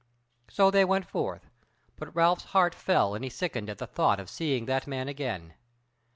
So they went forth; but Ralph's heart fell and he sickened at the thought of seeing that man again.